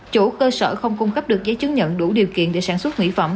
chủ cơ sở không cung cấp được giấy chứng nhận đủ điều kiện để sản xuất mỹ phẩm